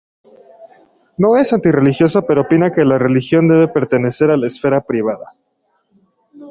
No es anti-religioso, pero opina que la religión debe pertenecer a la esfera privada.